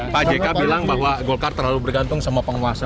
pak jk bilang bahwa golkar terlalu bergantung sama penguasa